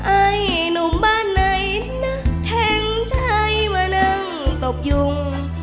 ไอ้หนุ่มบ้านไหนนักแทงใจมานั่งตกยุง